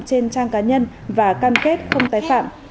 trên trang cá nhân và cam kết không tái phạm